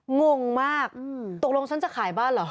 งงมากตกลงฉันจะขายบ้านเหรอ